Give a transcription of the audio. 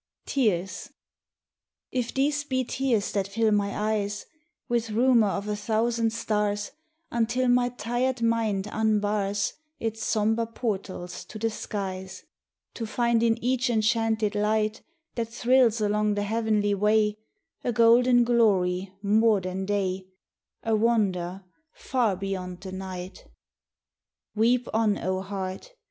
48 TEARS IF these be tears that fill my eyes With rumour of a thousand stars Until my tired mind unbars Its sombre portals to the skies, To find in each enchanted light That thrills along the heavenly way A golden glory more than day, A wonder far beyond the night Weep on, oh heart